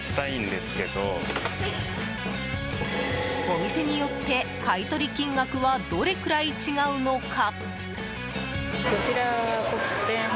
お店によって買い取り金額はどれくらい違うのか。